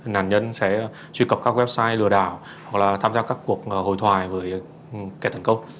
nàn nhân sẽ truy cập các website lừa đảo hoặc là tham gia các cuộc hồi thoại với kẻ thần công